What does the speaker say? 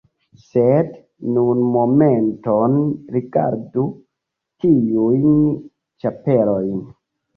Sed nun momenton rigardu tiujn ĉapelojn!